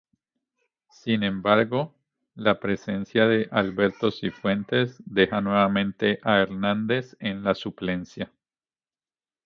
Sin embargo, la presencia de Alberto Cifuentes deja nuevamente a Hernández en la suplencia.